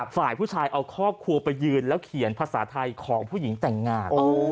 ฝ่ายผู้ชายเอาครอบครัวไปยืนแล้วเขียนภาษาไทยของผู้หญิงแต่งงาน